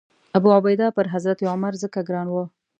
ابوعبیده پر حضرت عمر ځکه ګران و.